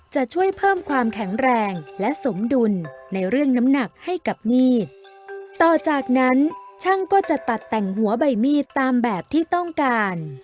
จะช่วยเพิ่มความแข็งแรงและสมดุลในเรื่องน้ำหนักให้กับมีดต่อจากนั้นช่างก็จะตัดแต่งหัวใบมีดตามแบบที่ต้องการ